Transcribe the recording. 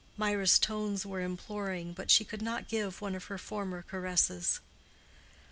Mirah's tones were imploring, but she could not give one of her former caresses.